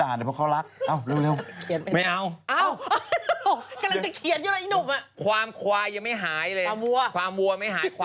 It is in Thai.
ด่าแต่เขารัก